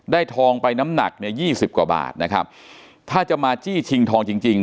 ทองไปน้ำหนักเนี่ยยี่สิบกว่าบาทนะครับถ้าจะมาจี้ชิงทองจริงจริง